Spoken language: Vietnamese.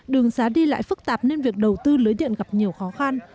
đường xá đi lại phức tạp nên việc đầu tư lưới điện gặp nhiều khó khăn